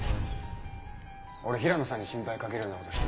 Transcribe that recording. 俺平野さんに心配かけるような事してませんから。